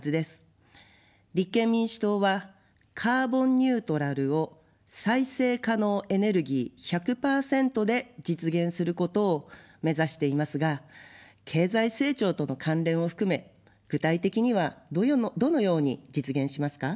立憲民主党はカーボンニュートラルを再生可能エネルギー１００％で実現することを目指していますが、経済成長との関連を含め具体的にはどのように実現しますか。